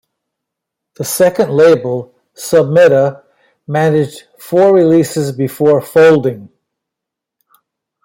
The second label, Submeta, managed four releases before folding.